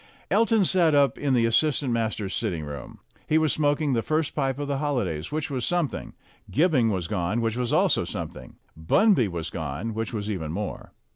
Elton sat up in the assistant masters' sitting room. He was smoking the first pipe of the holidays, which was something; Gibbing was gone, which was also something; Bunby was gone, which was even more.